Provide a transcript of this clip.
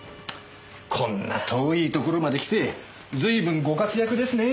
こんな遠いところまで来て随分ご活躍ですねえ。